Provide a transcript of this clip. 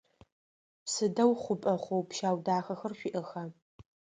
Сыдэу хъупӏэ хъоу-пщау дахэхэр шъуиӏэха?